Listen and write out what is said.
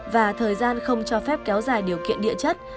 và thời gian không cho phép kéo dài điều kiện địa chất